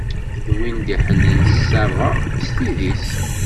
Win d-iḥellan ṣṣaba s tidi-s.